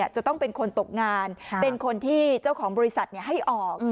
จะต้องเป็นคนตกงานเป็นคนที่เจ้าของบริษัทให้ออก